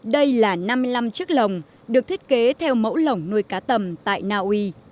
đây là năm mươi năm chiếc lồng được thiết kế theo mẫu lồng nuôi cá tầm tại naui